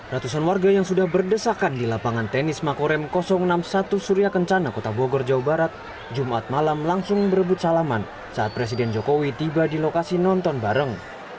ratusan warga yang sudah berdesakan di lapangan tenis makorem enam puluh satu surya kencana kota bogor jawa barat jumat malam langsung berebut salaman saat presiden jokowi tiba di lokasi nonton bareng